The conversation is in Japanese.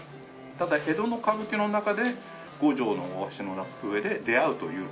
ただ江戸の歌舞伎の中で五条の大橋の上で出会うという場面。